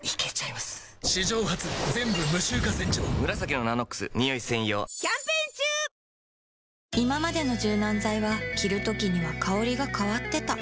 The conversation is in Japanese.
いままでの柔軟剤は着るときには香りが変わってた